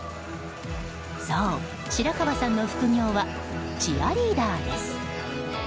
そう、白河さんの副業はチアリーダーです。